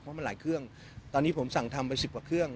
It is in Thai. เพราะมันหลายเครื่องตอนนี้ผมสั่งทำไปสิบกว่าเครื่อง